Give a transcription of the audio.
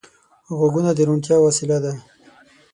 غوږونه د روڼتیا وسیله ده